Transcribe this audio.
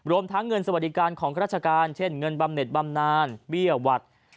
ทั้งเงินสวัสดิการของข้าราชการเช่นเงินบำเน็ตบำนานเบี้ยหวัด